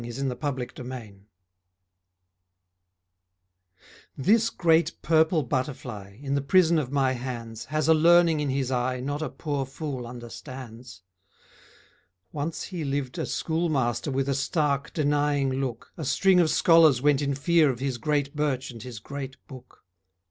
ANOTHER SONG OF A FOOL This great purple butterfly, In the prison of my hands, Has a learning in his eye Not a poor fool understands. Once he lived a schoolmaster With a stark, denying look, A string of scholars went in fear Of his great birch and his great book.